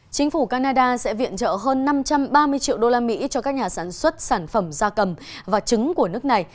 chính phủ canada sẽ viện trợ hơn năm trăm ba mươi triệu đô la mỹ cho các nhà sản xuất sản phẩm da cầm và trứng của nước này